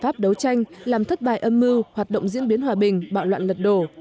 pháp đấu tranh làm thất bại âm mưu hoạt động diễn biến hòa bình bạo loạn lật đổ